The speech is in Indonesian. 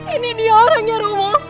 ini dia orangnya romo